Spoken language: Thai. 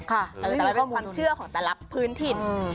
แต่มันก็ความเชื่อของแต่ละพื้นถิ่น